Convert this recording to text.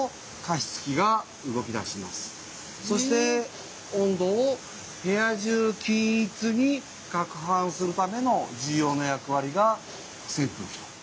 そして温度を部屋中均一にかくはんするための重要な役わりがせんぷうきと。